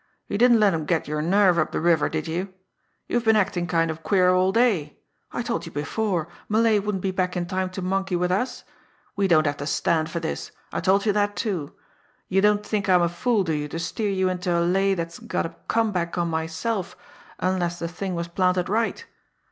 "You didn't let 'em get your nerve up the river, did you? You've been acting kind of queer all day. I told you before, Malay wouldn't be back in time to monkey with us. We don't have to stand for this I told you that, too. You don't think I'm a fool, do you, to steer you into a lay that's got a come back on myself unless the thing was planted right?